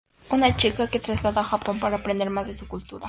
Una chica que trasladó a Japón para aprender más de su cultura.